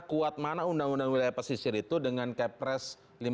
kuat mana undang undang wilayah pesisir itu dengan kepres lima ribu dua ratus sembilan puluh lima